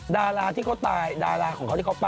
ดาราที่เขาตายดาราของเขาที่เขาไป